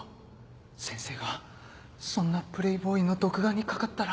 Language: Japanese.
先生がそんなプレーボーイの毒牙にかかったら。